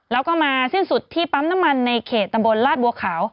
แล้วก็มาสิ้นสุดที่ปั๊มน้ำมันในเขตตำบลลาดบัวขาว